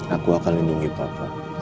aku akan lindungi papa